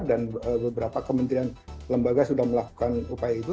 dan beberapa kementerian lembaga sudah melakukan upaya itu